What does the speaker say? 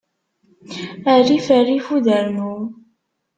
Rrif rrif udarnu.